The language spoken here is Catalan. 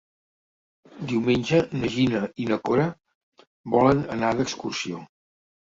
Diumenge na Gina i na Cora volen anar d'excursió.